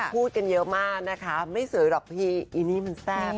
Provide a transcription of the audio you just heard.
พูดกันเยอะมากนะคะไม่สวยหรอกพี่อีนี่มันแซ่บ